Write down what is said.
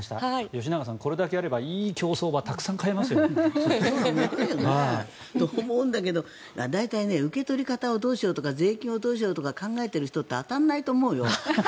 吉永さん、これだけあればいい競走馬がたくさん買えますね。と、思うんだけど大体受け取り方をどうしようとか税金をどうしようとか考えている人って当たらないと思うよ。